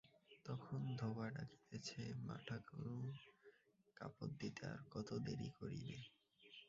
তখন ধোবা ডাকিতেছে, মাঠাকরুন, কাপড় দিতে আর কত দেরি করিবে।